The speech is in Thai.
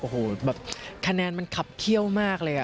โอ้โหแบบคะแนนมันขับเขี้ยวมากเลย